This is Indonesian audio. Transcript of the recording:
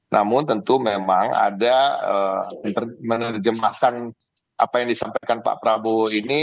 namun tentu memang ada menerjemahkan apa yang disampaikan pak prabowo ini